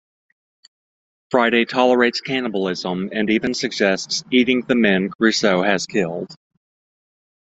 Friday tolerates cannibalism, and even suggests eating the men Crusoe has killed.